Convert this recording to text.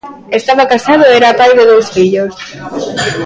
Estaba casado e era pai de dous fillos.